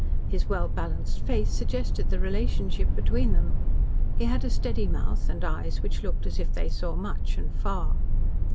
His well balanced face suggested the relationship between them. He had a steady mouth, and eyes which looked as if they saw much and far.